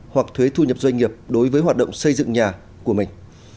hoặc thuế thu nhập doanh nghiệp đối với hoạt động xây dựng nhà của mình